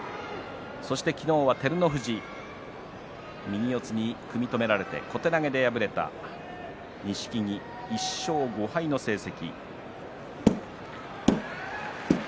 そして昨日は照ノ富士戦右四つに組み止められて小手投げで敗れた錦木１勝５敗の成績。